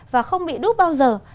và không bị đút bao giờ